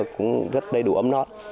cũng rất đầy đủ ấm nọt